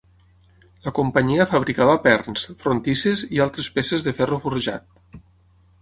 La companyia fabricava perns, frontisses i altres peces de ferro forjat.